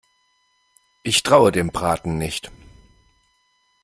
Ich traue dem Braten nicht.